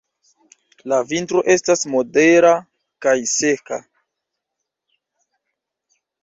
La vintro estas modera kaj seka.